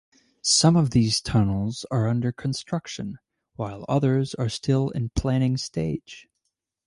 Some of these tunnels are under construction while others are still in planning stage.